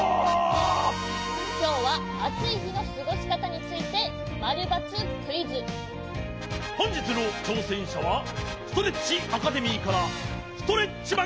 きょうはあついひのすごしかたについてほんじつのちょうせんしゃはストレッチアカデミーからストレッチマン・ゴールドさん。